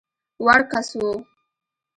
وړ کس وو.